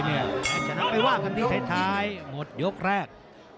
เอาชนะไปว่ากันที่ท้ายหมดยกแรก